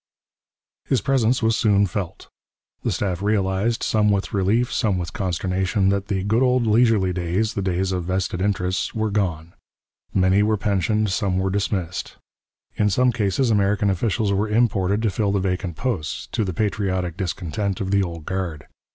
His presence was soon felt. The staff realized, some with relief, some with consternation, that the good old leisurely days, the days of vested interests, were gone. Many were pensioned, some were dismissed. In some cases American officials were imported to fill the vacant posts, to the patriotic discontent of the old guard.